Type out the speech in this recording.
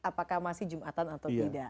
apakah masih jumatan atau tidak